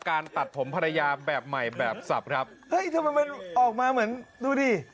การตัดผมภรรยาแบบใหม่แบบทรัพย์ทำไมมันออกมาเหมือนดูดี